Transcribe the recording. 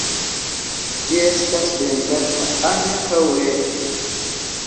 Ĝi estas vendata ankaŭ rete.